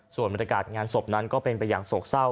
ส่วนบรรยากาศงานศพนั้นก็เป็นไปอย่างโศกเศร้า